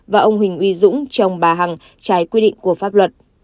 và ông huỳnh uy dũng chồng bà hằng trái quy định của pháp luật